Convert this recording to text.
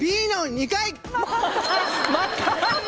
Ｂの２階！